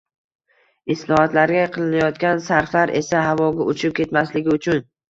islohotlarga qilinayotgan sarflar esa havoga uchib ketmasligi uchun